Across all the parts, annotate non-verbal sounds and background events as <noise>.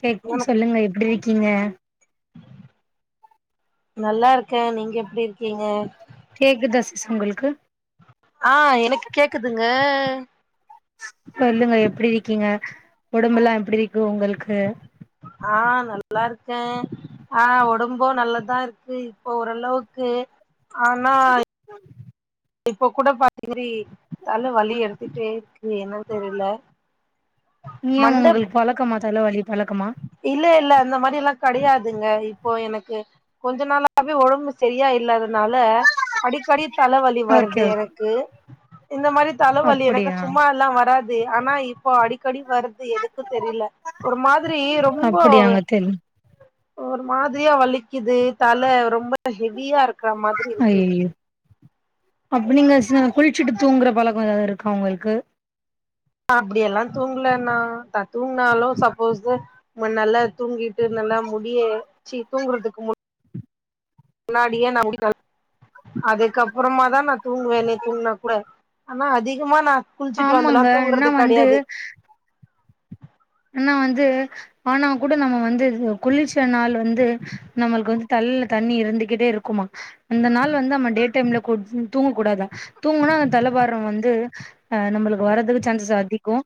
சேர் சொல்லுங்க எப்டி இருக்கீங்க நல்லார்க்கே நீங்க எப்டி இருக்கீங்க கேக்குதா சிஸ் உங்களுக்கு ஆ எனக்கு கேக்குதுங்க சொல்லுங்க எப்டி இருக்கீங்க உடம்புலா எப்டி இருக்கு உங்கள்க்கு ஆ நல்லாருக்கே ஆ ஒடம்பும் நல்லதா இருக்கு இப்ப ஓர் அளவுக்கு ஆனா <unintelligible> இப்ப கூட பாத்த <unintelligible> தல வலி எடுத்துட்டே இருக்கு என்னன்னு தெரில ஏன் மண்ட உங்களுக்கு பழக்கமா தலவலி பழக்கமா இல்ல இல்ல அந்த மாறி எல்லா கிடையாதுங்க இப்போ எனக்கு கொஞ்ச நாளாவே ஒடம்பு சேரியா இல்லாதனால அடிக்கடி தலவலி ஓகே வருது ஓகே எனக்கு இந்த மாறி தலவலி எனக்கு அப்படியா சும்மா எல்லா வராது ஆனா இப்போ அடிக்கடி வருது எதுக்கு தெரில ஒரு மாதிரி ரொம் அப்படியாங்க தென் ஒரு மாதிரியா வலிக்குது தல ரொம்ப ஹெவியா இருக்கற மாதிரி இருக்கு ஐயயோ அப்ப நீங்க குளிச்சிட்டு தூங்குற பழக்கோ ஏதாவது இருக்கா உங்களுக்கு அப்பிடி எல்லா தூங்கல நா த தூங்குனாலு சப்போஸ்சு முன்னெல்லா தூங்கிட்டு நல்லா முடிய சி தூங்குறதுக்கு முன் னாடியே நா <inaudible> அதுக்கப்பறமா தா நா தூங்குவேனே தூங்குனா கூட ஆனா அதிகமா நா குளிச்சிட்டு ஆமாங்க வந்தல்லா நா தூங்குறது வந்து கெடையாது ஆனா வந்து ஆண்டவன் கூட நம்ம வந்து குளிச்ச நாள் வந்து நம்மள்க்கு வந்து தல்ல தண்ணி இருந்துகிட்டே இருக்குமா அந்த நாள் வந்து நம்ம டே டைம்ல தூங்க கூடாதா தூங்குனா அந்த தலைபாரம் வந்து ஆ நம்மளுக்கு வரறதுக்கு சான்சஸ் அதிகோ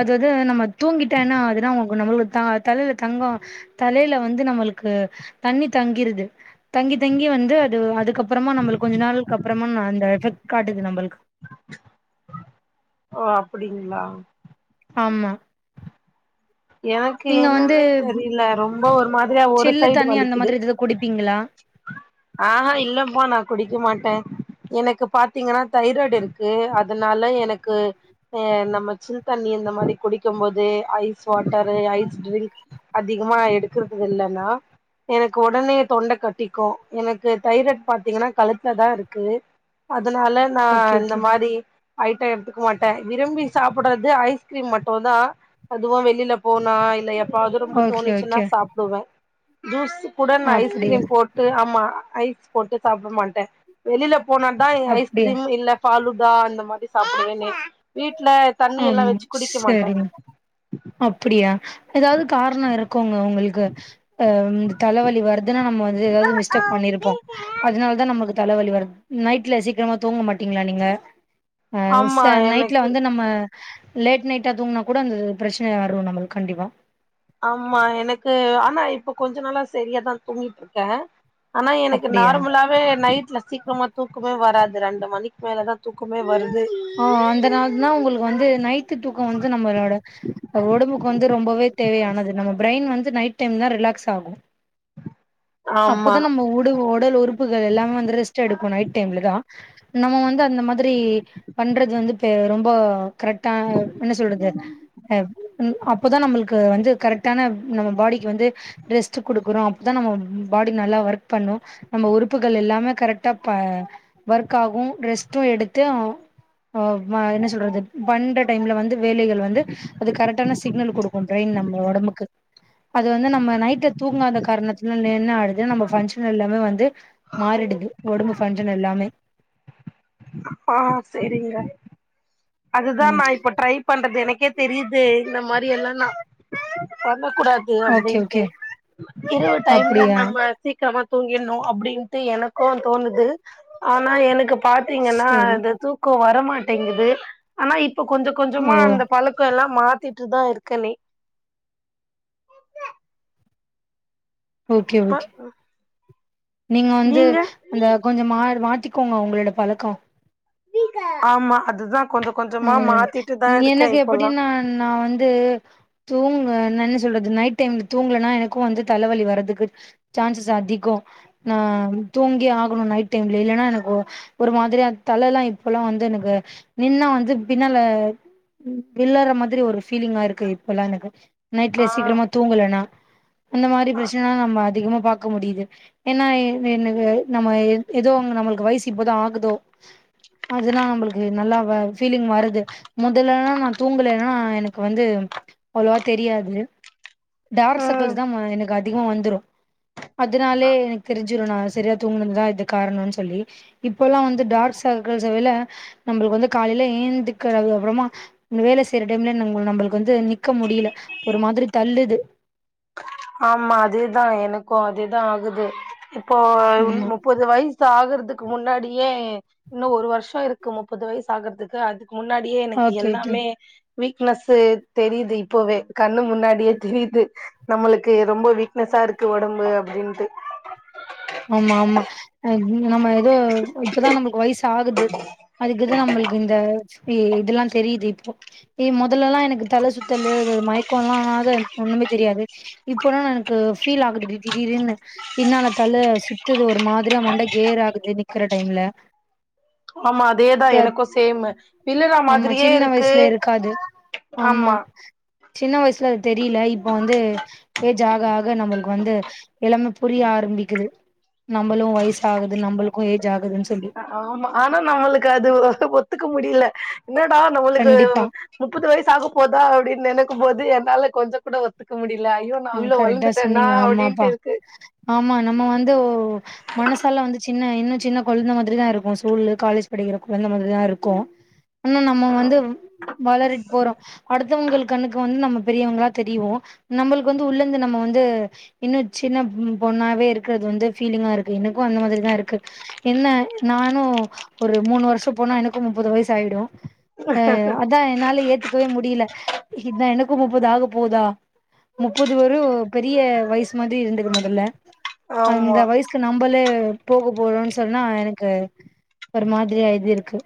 அதாவது நம்ம தூங்கிட்டேனா அதுனா நம்மளுக்கு தா தலைல தங்கோ தலையில வந்து நம்மளுக்கு தண்ணி தங்கிருது தங்கி தங்கி வந்து அது அதுக்கப்பறமா நம்மளுக்கு கொஞ்ச நாளுக்கு அப்புறமா அந்த எஃபக்ட் காட்டுது நம்மளுக்கு ஓ அப்படிங்ளா ஆமா எனக்கு நீங்க வந்து என்னான்னே தெரியில ரொம்ப ஒரு மாதிரியா ஒரு சில்லு சைடு தண்ணி அந்த வலிக்குது மாதிரி எதோ குடிப்பீங்களா ஆ ஹா இல்லப்பா நா குடிக்க மாட்டே எனக்கு பாத்தீங்கன்னா தைராய்டு இருக்கு அதனால எனக்கு அ நம்ம சில் தண்ணி இந்த மாறி குடிக்கும் போது ஐஸ் ஸ்வாட்டரு ஐஸ் ட்ரிங்க் அதிகமா எடுக்கறது இல்ல நா எனக்கு உடனே தொண்டை கட்டிக்கும் எனக்கு தைராய்ட் பாத்தீங்கன்னா கழுத்துல தா இருக்கு அதுனால நா ஓகே இந்த ஓகே மாறி ஐட்டம் எடுத்துக்க மாட்டே விரும்பி சாப்பிட்றது ஐஸ்கிரீம் மட்டுந்தா அதுவு வெளியில போனா இல்ல எப்பயாவது ரொம்ப ஓகே ஓகே தோணிச்சுன்னா சாப்புடுவே ஜூஸ்சு கூட நா அப்டியா ஐஸ்கிரீம் போட்டு ஆமா ஐஸ் போட்டு சாப்பிட மாட்டே வெளில போனா தா இங்க அப்டியா ஐஸ்கிரீம் இல்ல ஃபாலுடா அந்த மாறி சாப்புடுவேனே வீட்ல தண்ணி எல்லா ஆம் வச்சு குடிக்க மாட்டே சேரிங்க் அப்பிடியா ஏதாவது காரணம் இருக்குங்க உங்களுக்கு அ இந்த தலவலி வர்றது எதுனா நம்ம வந்து ஏதாவது மிஸ்டேக் பண்ணியிருப்போ அதனால தா நமக்கு தல வலி வர்றது நைட்ல சீக்கிரமா தூங்க மாட்டீங்ளா நீங்க ச ஆமா நைட்ல எனக்கு வந்து நம்ம லேட் நைட்டா தூங்குனா கூட அந்த பிரச்சனை வரும் நமக்கு கண்டிப்பா ஆமா எனக்கு ஆனா இப்ப கொஞ்ச நாளா சரியாதா தூங்கிட்டு இருக்கே ஆனா எனக்கு அப்டியா நார்மலாவே நைட்ல சீக்கிரமா தூக்கமே வராது ரெண்டு மணிக்கு மேலதான் தூக்கமே வர்து ஆ அந்தனால தா உங்களுக்கு வந்து நைட்டு தூக்கம் வந்து நம்பளோட ஒடம்புக்கு வந்து ரொம்பவே தேவையானது நம்ம ஃப்ரயின் வந்து நைட் டைம் தா ரிலாக்ஸ் ஆகும் ஆமா அப்பதா நம்ம உடு ஒடல் உறுப்புகள் எல்லாமே வந்து ரெஸ்ட் எடுக்கு நைட் டைம்ல தா நம்ம வந்து அந்த மாத் த்ரி பண்றது வந்து பெ ரொம்போ கரட்டா என்ன சொல்றது அ ம் அப்போதா நமள்க் கு வந்து கரெக்டான நம்ம பாடிக்கு வந்து ரெஸ்ட் குடுக்கறோ அப்போதான் பாடி நல்லா ஒர்க் பண்ணும் நம்ம உறுப்புகள் எல்லாமே கரெக்டா ந ஒர்க் ஆகும் ரெஸ்ட்டும் எடுத்து அ ஆ மா என்ன சொல்றது பண்ற டைம்ல வந்து வேலைகள் வந்து அது கரெக்ட்டான சிக்னல் குடுக்கும் ப்ரெயின் நம்ம ஒடம்புக்கு அது வந்து நம்ம நைட்ல தூங்காத காரணத்துனால என்ன ஆய்டுது நம்ம ஃபங்க்ஷனல் எல்லாமே வந்து மாறிடுது ஒடம்பு ஃபங்க்ஷன் எல்லாமே ஆ சேரிங்க அதுதா ம் நா இப்ப ட்ரை பண்றது எனக்கே தெரியுது இந்த மாரி எல்லா நா பண்ணக்கூடாது கே ஓகே அப்டின்ட்டு ஓகே இரவு டைம்ல அப்டியா நம்ம சீக் சீக்ரமா தூங்கிர்ணு அப்டின்ட்டு எனக்கு தோணுது ஆனா எனக்கு பாத்தீங்கன்னா சரி இந்த தூக்கோ வரமாட்டேங்குது ஆனா இப்ப கொஞ்ச ஓ கொஞ்சமா அந்த பழக்கோ எல்லா மாத்திட்டு தா இருக்கணே ஓகே இப்ப ஓகே நீங்க வந்து அந்த கொஞ்சம் மார் மாத்திக்கோங்க ஒங்களோட பழக்கோ ஆமா அதுதா கொஞ்ச கொஞ்சமா ம் மாத்திட்டுதா இருக்கே எனக்கு இப்பல்லா எப்டின்னா நா வந்து தூங்க நா என்ன சொல்றது நைட் டைம்ல தூங்கலன்னா எனக்கு வந்து தலவலி வர்றதுக்கு சான்சஸ் அதிகோ நா தூங்கி ஆகணு நைட் டைம்ல இல்லன்னா எனக்கூ ஒரு மாத்ரியா தலல்லா இப்ப வந்து எனக்கு நின்னா வந் அது பின்னால விழார்ற மாதிரி ஒரு பீலிங்கா இருக்கு இப்பல்லா எனக்கு நைட்லே ஆ சீக்கிரமா தூங்கலனா அந்த மாத்ரி ப்ரச்சனைல்லா நம்ப அதிகமா பாக்க முடியுது ஏன்னா இன்னுக்கு நம்ம ஏதோ அங்க நம்மளுக்கு வய்சு இப்பதா ஆகுதோ அது நா நம்ளுக்கு நல்லா வ ஃபீலிங் வருது முதலெல்லா நா தூங்கலென்னா எனக்கு வந்து அவ்ளவா தெரியாது டார்க் ம் சர்க்கள்ஸ் தா எனக்கு அதிகோ வந்துரு அத்னாலே எனக்கு தெரிஞ்சிரு நா சரியா தூங்கினதுதான் இதுக்கு காரணோன்னு சொல்லி இப்பல்லா வந்து டார்க் சர்க்கள்ஸ் விழ நம்பளுக்கு வந்து காலைல ஏந்துக்கரறது அப்பறமா வேல செய்ற டைம்ல நம்பளுக்கு வந்து நிக்க முடியல ஒரு மாத்ரி தள்ளுது ஆமா அதுதா எனக்கு அதுதா ஆகுது இப்போ ஆமா முப்பது வய்சு ஆகுறதுக்கு முன்னாடியே இன்னு ஒரு வருஷோ இருக்கு முப்பது வய்சு ஆகுறதுக்கு அதுக் முன்னாடியே எனக்கு ஓகே ஓகே எல்லாமே வீக்னஸ் தெரியுது இப்பவே கண்ணு முன்னாடியே தெரியுது நம்மளுக் க்கு ரொம்ப வீக்னஸா இருக்கு ஒடம்பு அப்டின்ட்டு ஆமா ஆமா அ நீங்க நம்ம எதோ இப்பதான் நமக்கு வய்சு ஆகுது அதுக்குதா நமளுக்கு இந்த ஃபி இதெல்லா தெரியுது இப்போ எ முதல்லெல்லா எனக்கு தல சுத்தல மயக்கோ எல்லா ஆக ஒண்ணுமே தெரியாது இப்பன்னா னெக்கு ஃபீல் ஆகுதுடி திடீ திடீதுன்னு பின்னால தல சுத்துது ஒரு மாத்ரி மண்ட கேர் ஆகுது நிக்ற டைம்ல ஆமா அதேதா எனக்கு சேமு விழுற மாத்ரியே இருக்கு அது ஆமா சின்ன வய்சுல அது தெரியல இப்ப வந்து ஏஜ் ஆக ஆக நம்மளுக்கு வந்து எல்லாமே புரிய ஆரம்பி க்குது நம்மளு வயசு ஆகுது நம்மளுக்கு ஏஜ் ஆகுதுன்னு சொல்லி ஆமா ஆனா நம்மளுக்கு அது ஒத்துக்க முடியல என்னடா நம்மளுக்கு கண்டிப்பா முப்பது வயசு ஆக போதா அப்படின்னு நெனைக்கும் போது என்னால கொஞ்ச கூட ஒத்துக்க முடில ஐயோ நா ஆ அவிளோ கரெக்டா வளந்துட்டேனா சொன்னீங்க ஆமாப்பா அப்டின்ட்டு இருக்கு ஆமா நம்ம வந்து ஒ மனசால வந்து சின்ன இன்னு சின்ன கொழந்த மாதிரிதா இருக்கு ஸ்கூல்லு காலேஜ் படிக்கிற கொழந்த மாதிரிதா இருக்கு ஆனா நம்ம வந்து வளரிட் போறோ அடுத்தவங்கள் கண்ணுக்கு வந்து நம்ம பெரியவங்களா தெரியிவோ நம்மளுக்கு வந்து உள்ள இருந்து நம்ம வந்து இன்னு சின்ன பொண்ணாவே இருக்கிறது வந்து ஃபீலிங்கா இருக்கு எனக்கு அந்த மாதிரிதா இருக்கு என்ன நானு ஒரு மூணு வருஷ போனா எனக்கு முப்பது வயசு ஆயிடு அ அதா என்னால ஏத்துக்கவே முடில இதா எனக்கு முப்பது ஆக போதா முப்பது வெரு பெரிய வயசு மாறி ‌‌இருந்துது மொதல்ல அந்த ஆமா வயசு க்கு‌ நம்மளே போக போறோன்னு சொன்னா எனக்கு ஒரு மாதிரியா இது இருக்கு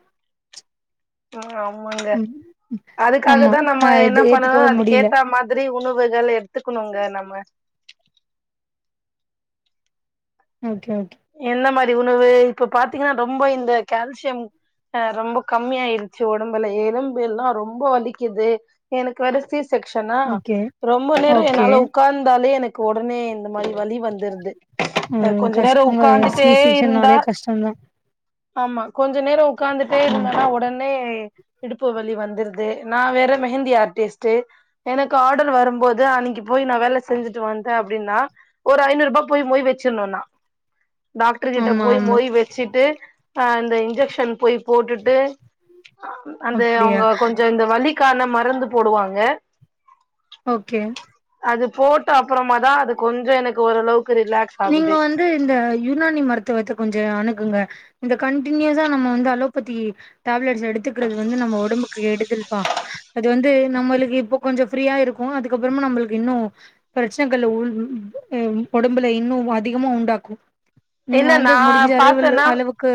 ஆமாங்க ம் அதுக்காக ஆமா தா ஆ நம்ம இது என்ன பண்ணணு ஏத்துக்கவே முடியல அதுக்கேத்த மா திரி உணவுகள் எடுத்துக்கணுங்க நம்ம ஓகே ஓகே என்ன மாறி‌ உணவு இப்ப பாத்தீங்கன்னா ரொம்ப இந்த கால்சியம் ஆ ரொம்போ கம்மி ஆயிருச்சு உடம்பபேல்லா எலும்பு எல்லா ரொம்ப வலிக்கிது எனக்கு வேற சீ செக்ஷ்னா ஓகே ரொம்ப நேர ஓகே என்னால ஒக் ஒக்காந்தாலே எனக்கு உடனே இந்த மாறி வலி வந்துருது ம் கொஞ்ச நேர கஷ்டங்க சி ஒக்காந்துட்டே இருந்தா செக்ஷன்னாலே கஷ்டந்தா ஆமா கொஞ்ச நேர ஒக்காந்துட்டே ம் இருந்தேனா ஒடனே இடுப்பு வழி வந்துருது நா வேற மெஹந்தி ஆர்டிஸ்ட்டு எனக்கு ஆர்டர் வரும் போது அன்னைக்கு போய் நா வேல செஞ்சுட்டு வந்தே அப்டின்னா ஒரு ஐநூறு ரூபா போய் மொய்‌ வச்சிருனு ஆனா டாக்டர் கிட்ட ஆமா போய்‌ ஆமா மொய் வச்சிட்டு அ இந்த இன்ஜெக்ஷன் போய் போட்டுட்டு அந்த அப்டியா அவுங்க கொஞ்சோ இந்த வலிக்கான மருந்து போடுவாங்க ஓகே அது போட்ட அப்பறமா தா அது கொஞ்ச எனக்கு ஓரளவுக்கு ரிலாக்ஸ் நீங்க ஆகுது வந்து இந்த யுனானி மருத்துவத்தை கொஞ்சோ அணுகுங்க இந்த கண்டினியூஸா நம்ம வந்து அலோபதி டேப்லெட்ஸ்ச எடுத்துக்கிறது வந்து நம்ம ஒடம்புக்கு எடுதல்ப்பா அது வந்து நம்மளுக்கு இப்ப கொஞ்ச ஃப்ரீயா இருக்கு அதுக்கப்பறமா நம்மளுக்கு இன்னு பிரச்சனைகள் உள் எ ஒடம்புல இன்னு அதிகமா உண்டாக்கு நீங்க இல்ல வந்து நா முடிஞ்ச அறிவுல பாத்தேன்னா அளவுக்கு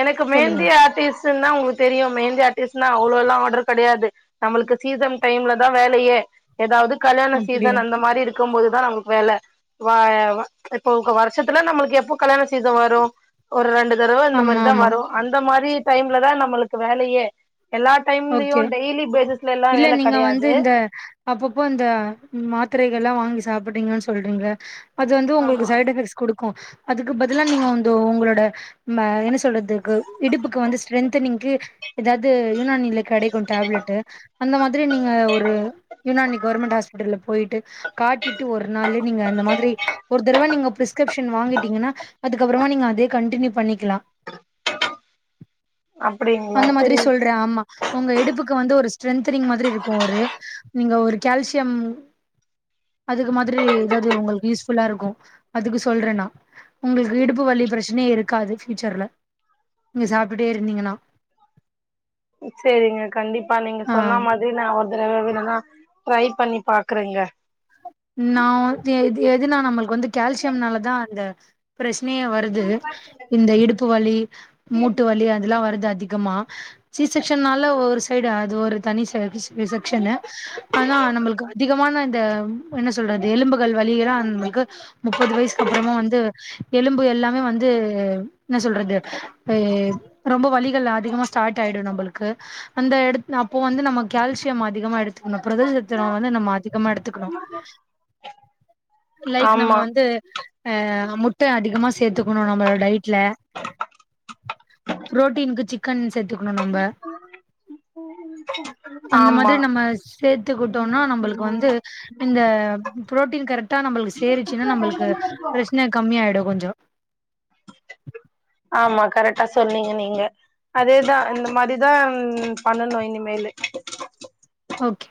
எனக்கு சொல்லுங்க மெஹந்தி ஆர்டிஸ்ட்னா உங்களுக்கு தெரியு மெஹந்தி ஆர்டிஸ்ட்னா அவ்ளோலா ஆட்ரு கெடையாது நம்மளுக்கு சீசன் டைம்ல தா வேலையே ஏதாவது கல்யாண சீசன் அப்டியா அந்த மாரி இரு க்கும் போதுதா நமக்கு வேல வ எ வா இப்போ வருஷத்துல நம்மளுக்கு எப்போ கல்யாண சீசம் வரு ஒரு ரெண்டு தடவ இந்த மா ஆமா ஆமா அந்த மாரி டைம்ல தா நம்மளுக்கு வேலயே எல்லா ஓகே டைம்லயு டெய்லி பேஸஸ்ல எல்லா இல்ல வேல நீங்க வந்து கெடையாது இந்த அப்பப்போ இந்த மாத்திரைகள்லா வாங்கி சாப்பிட்றீங்கன்னு சொல்றீங்கல அது வந்து உங்களுக்கு சைட் எஃபெக்ட்ஸ் குடுக்கு அதுக்கு பதிலா‌ நீங்க வந்து உங்களோட ம என்ன சொல்றது கு இடுப்புக்கு வந்து ஸ்ட்ரென்தனிங்க்கு எதாது யுனானில கெடைக்கூ டேப்லெட்டு அந்த மாரி நீங்க ஒரு யுனானி கவர்மெண்ட் ஹாஸ் பிட்டல போயிட்டு காட்டிட்டு ஒரு நாளு நீங்க அந்த மாதிரி ஒரு தடவ நீங்க பிரிஸ்க்ரப்ஷன் வாங்கிட்டீங்கன்னா அதுக்கப்றமா நீங்க அதே கண்டினியூ பண்ணிக்கலா அப்டிங்களா அந்த மாதிரி சரி சொல்றே ஆமா உங்க இடுப்புக்கு வந்து ஒரு ஸ்ட்ரென்தனிங் மாதிரி இருக்கோ ஒரு நீங்க ஒரு கால்சியம் அதுக்கு மாதிரி எதாவ்து உங்களுக்கு யூஸ்ஃபுல்லா இருக்கூ அதுக்கு சொல்றே நா உங்களுக்கு இடுப்பு வலி ப்ரச்சனையே இருக்காது ஃபியூச்சர்ல நீங்க சாப்ட்டுட்டே இருந்தீங்கன்னா சேரிங்க கண்டிப்பா நீங்க ஆ சொன்ன மா ரி ஒரு தடவ வேணுனா ட்ரை பண்ணி பாக்குறேங்க நா வந்து எது எதுனா நம்மளுக்கு வந்து கால்சியம்னால தா அந்த ப்ரெஸ்னையே வருது இந்த இடுப்பு வலி மூட்டு வலி அதுலா வருது அதிகமா சி ஷெக்சனால ஒரு சைடு அது ஒரு தனி ச கிஸ்ப்ரிசெக்ஷ்னு ஆனா நம்ளுக்கு அதிகமான இந்த ம் என்ன சொல்றது எலும்புகள் வலிகலா நம்மளுக்கு முப்பது வயசுக்கப்பறமா வந்து எலும்பு எல்லாமே வந்து என்ன சொல்றது பெ ரொம்ப வலிகள் அதிகமா ஸ்டாட் ஆயிடு நம்பளுக்கு அந்த எடத் அப்போ வந்து நம்ம கால்சியம் அதிகமா எடுத் தோ அந்த புரதலு சத்துலா வந்து நம்ம அதிகமா எடுத்துக்கணு லைக் நம்ம ஆமா வந்து அ முட்ட அதிகமா சேத்துக்கணு நம்மளோ டைட்ல ப்ரோட்டினுக்கு சிக்கன் சேத்துக்கணு நம்ப அந்த மாதிரி ஆமா நம்ம சேத்துக்குட்டோனா நம்மளுக்கு வந்து இந்த ப்ரோட்டீன் கரட்டா நம்மளுக்கு சேரிச்சுன்னா நம்மளுக்கு ப்ரெஸ்ன கம்மியாயிடூ கொஞ்சோ ஆமா கரெட்டா சொன்னிங்க நீங்க அதேதா இந்த மாரிதான் பண்ணணு இனிமேலு ஓக்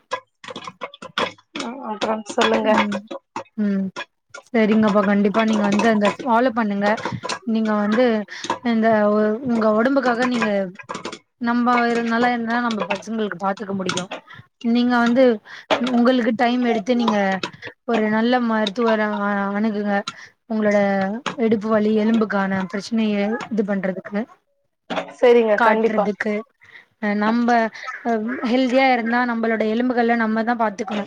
ஆ அப்பறம் சொல்லுங்க ம் செரிங்க அப்போ கண்டிப்பா நீங்க வந்து அந்த ஃபாலோ பண்ணுங்க நீங்க வந்து இந்த ஒ உங்க ஒடம்புக்காக நீங்க நம்பா இரு நல்லா இருந்தாதா நம்ம பஜங்களுக்கு பாத்துக்க முடியு நீங்க வந்து இன் உங்களுக்கு டைம் எடுத் து நீங்க ஒரு நல்ல மருத்துவர அ அணுகுங்க ஒங்களோட இடுப்பு வலி எலும்புக்கான ப்ரச்சனைய இது பண்றதுக்கு செரிங்க கண்டிப்பா காட்டுறதுக்கு அ நம்ப ஹவ் ஹெல்தியா இருந்தா நம்மளோட எலும்புகள்ல நம்மதா பாத்துக்கணு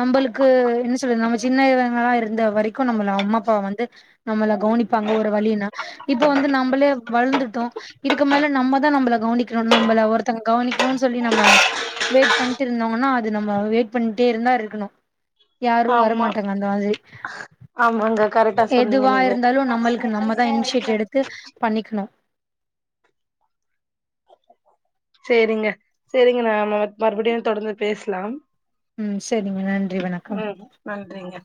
நம்பளுக்கு என்ன சொல்ல நம்ம சின்ன இவங்களா இருந்த வரைக்கூ நம்மள அம்மா அப்பா வந்து நம்மள கவனிப்பாங்க ஒரு வலின்னா இப்ப வந்து நம்மளே வளந்துட்டோ இதுக்கு மேல நம்மதா நம்மள கவனிக்கணு நம்பள ஒருத்தங்க கவனிக்கணுன் சொல்லி நம்ம வெயிட் பண்ட்டு இருந்தோங்கன்னா அது நம்ம வெயிட் பண்ட்டே இருந்தா இருக்கணு யாரூ ஆமா வரமாட்டாங்க அந்த மாதிரி ஆமாங்க கரெக்டா சொன்னீங்க எதுவா நீங்க இருந்தாலு நம்மளுக்கு நம்மதா இன்ஷிட் எடுத்து பண்ணிக்கணு செரிங்க செரிங்க நாம மறுபடியு தொடந்து பேசலாம் ம் செரிங்க நன்றி வணக்கம் ம் நன்றிங்க